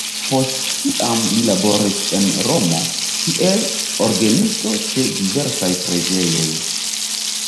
Post tiam li laboris en Romo kiel orgenisto ĉe diversaj preĝejoj.